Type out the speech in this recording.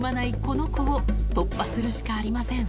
この子を突破するしかありません